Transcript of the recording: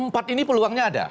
empat ini peluangnya ada